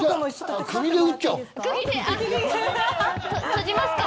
閉じますか。